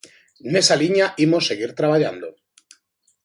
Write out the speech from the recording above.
Nesa liña imos seguir traballando.